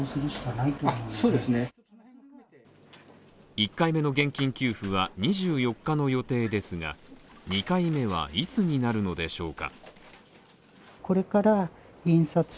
１回目の現金給付は２４日の予定ですが、２回目はいつになるのでしょうか？